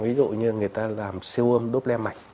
ví dụ như người ta làm serum đốt le mạch